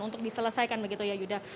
untuk diselesaikan begitu ya yuda